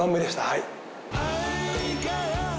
はい。